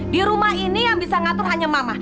di rumah ini yang bisa ngatur hanya mama